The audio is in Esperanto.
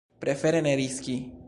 Prefere ne riski.